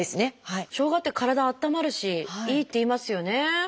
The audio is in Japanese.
しょうがって体あったまるしいいっていいますよね。